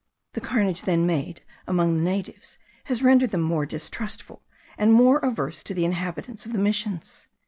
The carnage then made among the natives has rendered them more distrustful, and more averse to the inhabitants of the missions.